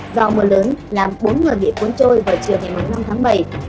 do mưa lớn làm bốn người bị cuốn trôi vào chiều ngày năm tháng bảy